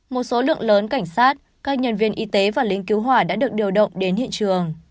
một số lượng lớn cảnh sát các nhân viên y tế và lính cứu hỏa đã được điều động đến hiện trường